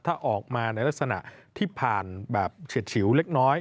ถ้าออกมาในลักษณะที่ผ่านแบบเฉียดฉิวเล็กน้อย